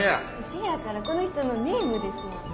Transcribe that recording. そやからこの人のネームですやん。